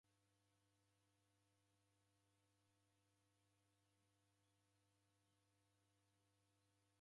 Ghasighwa matuku matineri dimerie mori ghwa ikumi na ghumweri.